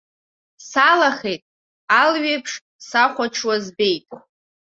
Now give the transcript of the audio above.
Салахеит, алҩеиԥш сахәаҽуа збеит.